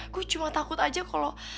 gue cuma takut aja kalau